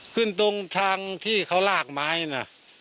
ขึ้นตรงทางที่เขาลากไม้นะ